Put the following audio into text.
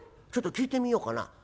ちょっと聞いてみようかな。